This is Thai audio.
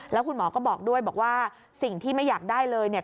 แล้วคุณหมอก็บอกด้วยบอกว่าสิ่งที่ไม่อยากได้เลยเนี่ย